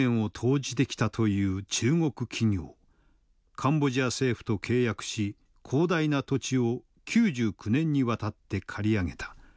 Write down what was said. カンボジア政府と契約し広大な土地を９９年にわたって借り上げた。